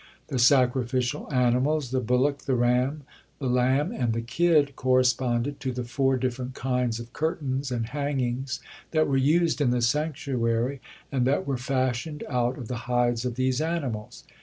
The sacrificial animals, the bullock, the ram, the lamb, and the kid corresponded to the four different kinds of curtains and hangings that were used in the sanctuary, and that were fashioned our of the hides of these animals.